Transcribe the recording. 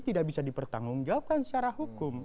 tidak bisa dipertanggung jawabkan secara hukum